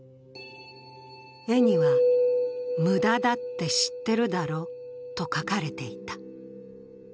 絵には「ムダだって知ってるだろ」と書かれていた。